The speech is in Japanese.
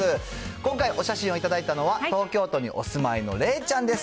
今回、お写真を頂いたのは、東京都にお住まいのれいちゃんです。